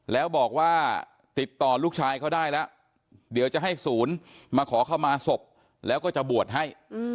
แล้วบอกว่าติดต่อลูกชายเขาได้แล้วเดี๋ยวจะให้ศูนย์มาขอเข้ามาศพแล้วก็จะบวชให้